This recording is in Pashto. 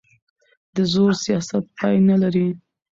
د زور سیاست پای نه لري